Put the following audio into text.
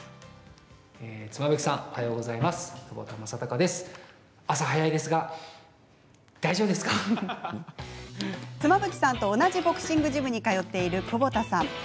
妻夫木さんと同じボクシングジムに通っている窪田さん。